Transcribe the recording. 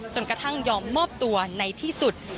จนกระทั่งยอมมอบตัวในที่สุด